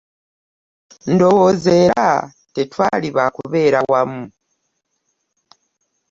Ndowooza era tetwali ba kubeera wamu.